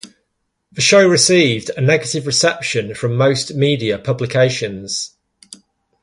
The show received a negative reception from most media publications.